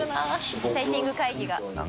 エキサイティング会議が。